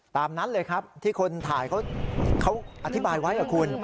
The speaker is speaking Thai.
ตามนั้นเลยครับที่คนถ่ายเขาอธิบายไว้กับคุณ